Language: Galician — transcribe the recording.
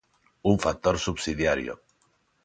Un factor subsidiario.